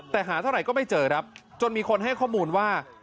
แต่หาเท่าไหร่ก็ไม่เจอครับจนมีคนให้ข้อมูลว่า